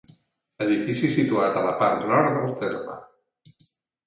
Edifici situat a la part nord del terme.